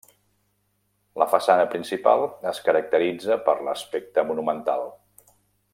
La façana principal es caracteritza per l'aspecte monumental.